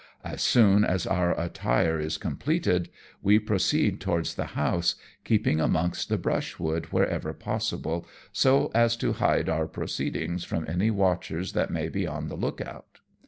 As soon as our attire is completed, we proceed to wards the house, keeping amongst the brushwood wherever possible, so as to hide our proceedings from any watchers that may be on the look out.